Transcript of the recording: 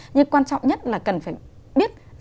nhưng quan trọng nhất là cần phải biết